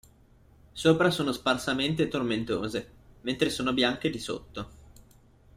Sopra sono sparsamente tomentose, mentre sono bianche di sotto.